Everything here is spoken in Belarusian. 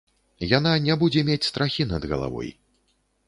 Яна не будзе мець страхі над галавой.